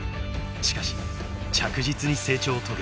しかし着実に成長を遂げ］